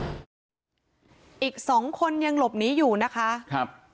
อีก๒คนยังหลบหนีอยู่นะคะ